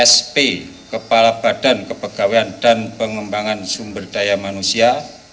sp kepala badan kepegawaian dan pengembangan sumber daya manusia